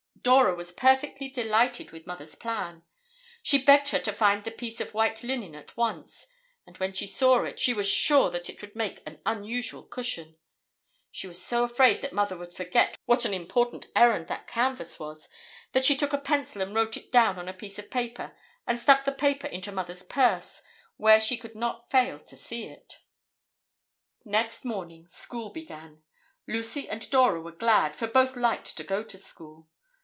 Dora was perfectly delighted with Mother's plan. She begged her to find the piece of white linen at once, and when she saw it, she was sure that it would make an unusual cushion. She was so afraid that Mother would forget what an important errand that canvas was, that she took a pencil and wrote it down on a piece of paper and stuck the paper into Mother's purse, where she could not fail to see it. Next morning school began. Lucy and Dora were glad, for both liked to go to school.